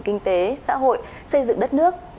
kinh tế xã hội xây dựng đất nước